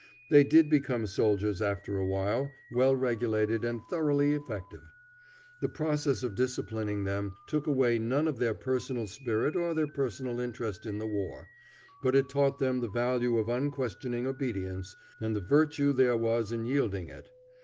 They did become soldiers after a while, well regulated and thoroughly effective. The process of disciplining them took away none of their personal spirit or their personal interest in the war, but it taught them the value of unquestioning obedience, and the virtue there was in yielding it.